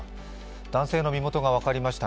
男性の身元が分かりました。